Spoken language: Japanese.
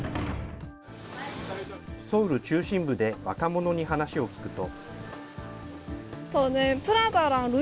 ソウル中心部で若者に話を聞くと。